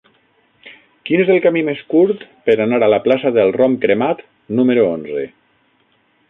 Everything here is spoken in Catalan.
Quin és el camí més curt per anar a la plaça del Rom Cremat número onze?